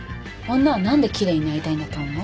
女は何で奇麗になりたいんだと思う？